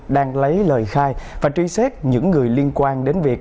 đang lấy lời khai và truy xét những người liên quan đến việc